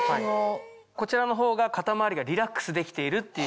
こちらのほうが肩周りがリラックスできているっていう。